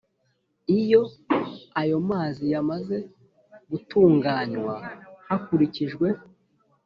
iyo ayo mazi yamaze gutunganywa hakurikijwe